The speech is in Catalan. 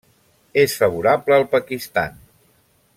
És favorable al Pakistan.